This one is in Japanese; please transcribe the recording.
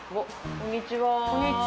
こんにちは。